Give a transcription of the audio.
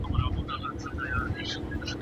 ایا د خیر محمد لور به سبا کیسه وکړي؟